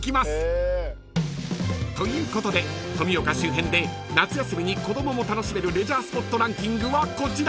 ということで富岡周辺で夏休みに子供も楽しめるレジャースポットランキングはこちら］